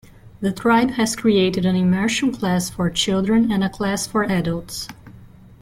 The tribe has created an immersion class for children and a class for adults.